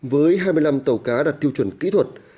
với hai mươi năm tàu cá đạt tiêu chuẩn kỹ thuật